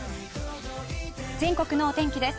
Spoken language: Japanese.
全国のお天気です。